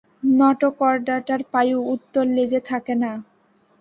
নটোকর্ডাটার পায়ু উত্তর লেজে থাকে না।